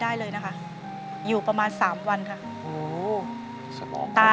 เปลี่ยนเพลงเพลงเก่งของคุณและข้ามผิดได้๑คำ